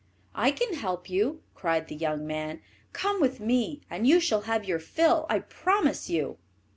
"I can help you," cried the young man; "come with me, and you shall have your fill, I promise you."